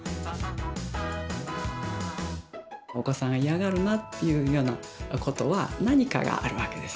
お子さん嫌がるなっていうようなことは何かがあるわけです。